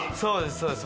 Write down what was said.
そうです